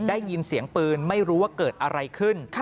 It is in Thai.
ได้ยินเสียงปืนไม่รู้ว่าเกิดอะไรขึ้น